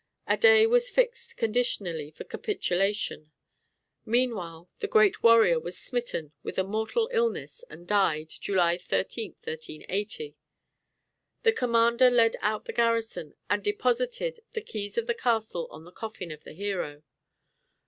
A day was fixed conditionally for capitulation. Meanwhile the great warrior was smitten with a mortal illness, and died, July 13, 1380. The commander led out the garrison and deposited the keys of the castle on the coffin of the hero.